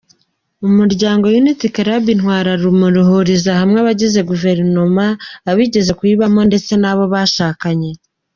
Umuryango Unity Club Intwararumuri, uhuriza hamwe abagize Guverinoma, abigeze kuyibamo ndetse n’abo bashakanye.